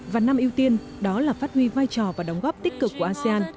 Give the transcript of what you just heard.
và năm ưu tiên đó là phát huy vai trò và đóng góp tích cực của asean